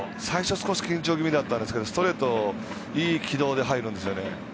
最初、少し緊張気味だったんですけどストレートいい軌道で入るんですよね。